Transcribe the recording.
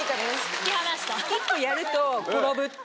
突き放した。